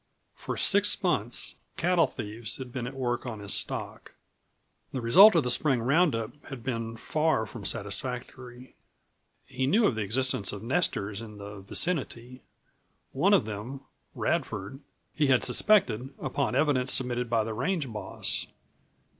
For six months cattle thieves had been at work on his stock. The result of the spring round up had been far from satisfactory. He knew of the existence of nesters in the vicinity; one of them Radford he had suspected upon evidence submitted by the range boss.